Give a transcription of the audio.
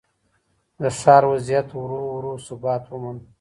د ښار وضعیت ورو ورو ثبات وموند.